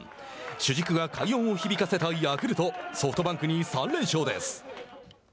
主軸が快音を響かせたヤクルトソフトバンクに３連勝です。